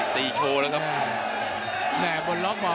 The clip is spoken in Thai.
ตีโชว์นะครับ